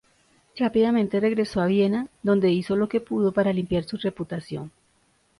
Rápidamente regresó a Viena, donde hizo lo que pudo para limpiar su reputación.